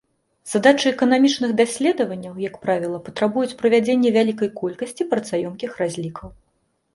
Задачы эканамічных даследаванняў, як правіла, патрабуюць правядзення вялікай колькасці працаёмкіх разлікаў.